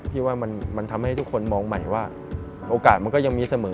พี่ว่ามันทำให้ทุกคนมองใหม่ว่าโอกาสมันก็ยังมีเสมอ